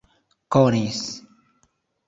konis